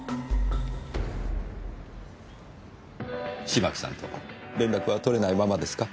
芝木さんと連絡は取れないままですか？